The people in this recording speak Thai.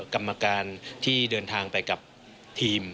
กรรมการที่เดินทางไปกับทีม